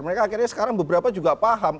mereka akhirnya sekarang beberapa juga paham